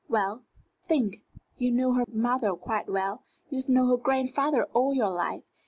"Well, think. You knew her mother quite well. You have known her grandfather all your life.